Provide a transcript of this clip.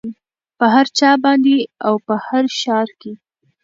په هر چا باندې او په هر ښار کې